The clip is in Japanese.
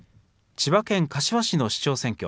千葉県柏市の市長選挙。